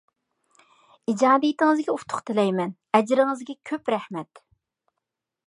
ئىجادىيىتىڭىزگە ئۇتۇق تىلەيمەن، ئەجرىڭىزگە كۆپ رەھمەت!